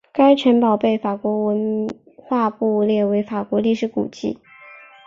该城堡被法国文化部列为法国历史古迹。